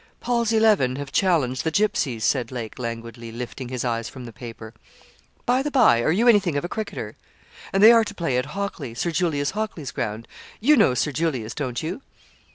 'Paul's Eleven have challenged the Gipsies,' said Lake, languidly lifting his eyes from the paper. 'By the bye, are you anything of a cricketer? And they are to play at Hockley, Sir Julius Hockley's ground. You know Sir Julius, don't you?'